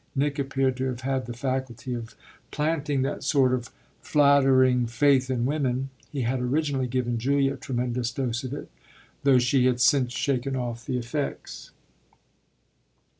Nick appeared to have had the faculty of planting that sort of flattering faith in women; he had originally given Julia a tremendous dose of it, though she had since shaken off the effects.